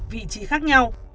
vị trí khác nhau